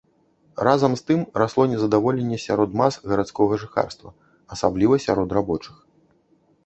Разам з тым расло нездаволенне сярод мас гарадскога жыхарства, асабліва сярод рабочых.